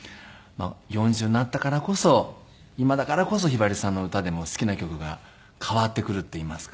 ４０になったからこそ今だからこそひばりさんの歌でも好きな曲が変わってくるっていいますか。